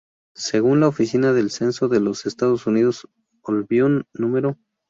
Según la Oficina del Censo de los Estados Unidos, Albion No.